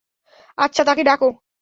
আচ্ছা, তাকে ডাকো।